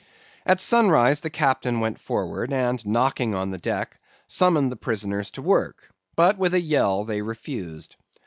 "At sunrise the Captain went forward, and knocking on the deck, summoned the prisoners to work; but with a yell they refused.